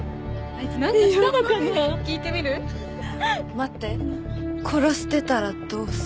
待って殺してたらどうする？